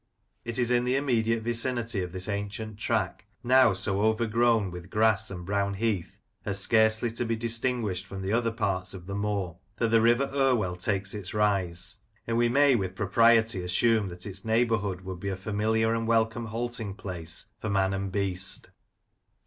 It is in the immediate vicinity of this ancient track, now so overgrown with grass and brown heath as scarcely to be distinguished from the other parts of the moor, that the River Irwell takes its rise ; and we may with propriety assume that its neigh bourhood would be a familiar and welcome halting place for man and beast.